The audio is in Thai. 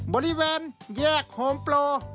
บริเวณแยกโฮมโปร